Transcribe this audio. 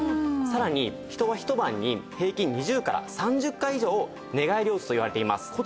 さらに人はひと晩に平均２０から３０回以上寝返りを打つといわれています。